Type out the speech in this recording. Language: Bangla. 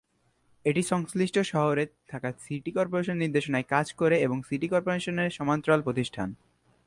এটি সংশ্লিষ্ট শহরে থাকা সিটি কর্পোরেশনের নির্দেশনায় কাজ করে এবং সিটি কর্পোরেশনের সমান্তরাল প্রতিষ্ঠান।